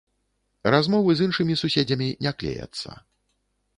Размовы з іншымі суседзямі не клеяцца.